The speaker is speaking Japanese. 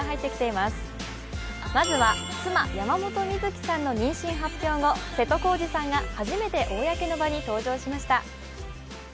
まずは妻・山本美月さんの妊娠発表後瀬戸康史さんが初めて公の場に登場しました。